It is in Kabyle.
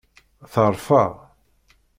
Terfa.